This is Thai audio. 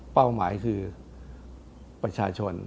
เป้าหมายคือประชาชน